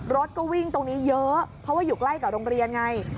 รถก็วิ่งตรงนี้เยอะเพราะว่าอยู่ใกล้กับโรงเรียนไง